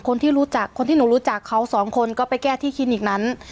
คนที่รู้จักคนที่หนูรู้จักเขาสองคนก็ไปแก้ที่คลินิกนั้น